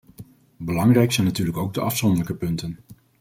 Belangrijk zijn natuurlijk ook de afzonderlijke punten.